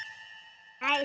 はい！